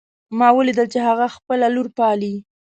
ما ولیدل چې هغه خپله لور پالي